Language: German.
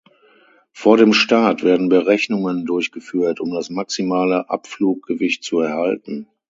Vor dem Start werden Berechnungen durchgeführt, um das maximale Abfluggewicht zu erhalten.